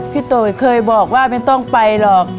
โตยเคยบอกว่าไม่ต้องไปหรอก